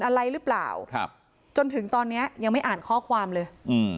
อะไรหรือเปล่าครับจนถึงตอนเนี้ยยังไม่อ่านข้อความเลยอืม